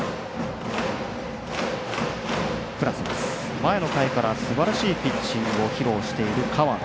前の回からすばらしいピッチングを披露している河野。